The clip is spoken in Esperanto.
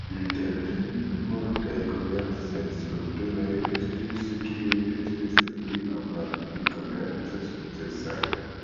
Intertempe multaj komercaj strukturoj ekestis, kiuj estis pli aŭ malpli komerce sukcesaj.